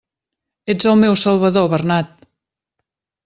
Ets el meu salvador, Bernat!